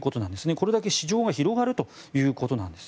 これだけ市場が広がるということなんです。